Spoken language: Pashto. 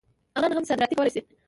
افغانان هم صادرات کولی شي.